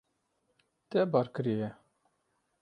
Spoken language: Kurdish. Te bar kiriye.